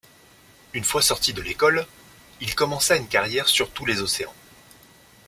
Une fois sorti de l'école, il commença une carrière sur tous les océans.